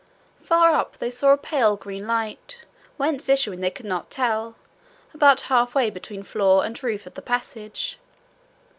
Far up they saw a pale green light, whence issuing they could not tell, about halfway between floor and roof of the passage.